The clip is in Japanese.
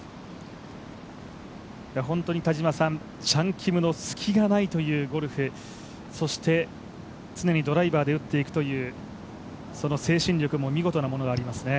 本当にチャン・キムの隙がないというゴルフ、そして常にドライバーで打っていくという精神力も見事なものがありますね。